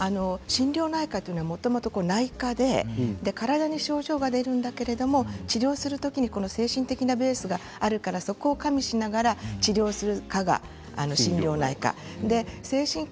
心療内科は内科で体に症状が出るんだけれど治療する時に精神的なベースがあるからそこを加味することで治療するのが心療内科。